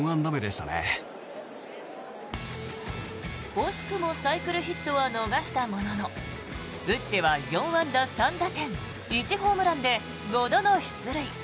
惜しくもサイクルヒットは逃したものの打っては４安打３打点１ホームランで５度の出塁。